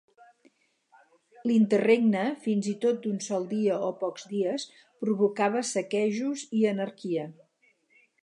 L'interregne, fins i tot d'un sol dia o pocs dies, provocava saquejos i anarquia.